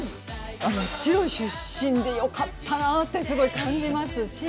もちろん出身でよかったなってすごい感じますし。